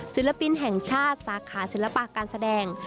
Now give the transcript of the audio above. ศิลปินแห่งชาติสาขาศิลปะการแสดง